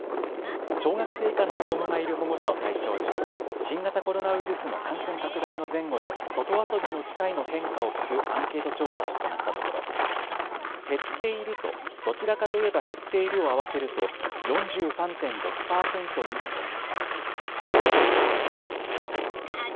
小学生以下の子どもがいる保護者を対象に新型コロナウイルスの感染拡大の前後で外遊びの機会の変化を聞くアンケート調査を行ったところ減っていると、どちらかといえば減っているを合わせると４３．６％に上りました。